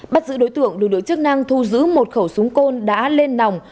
bắt giữ đối tượng được được chức năng thu giữ một khẩu súng côn đã lên nòng